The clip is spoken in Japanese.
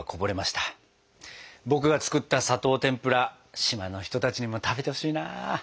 僕が作った砂糖てんぷら島の人たちにも食べてほしいな。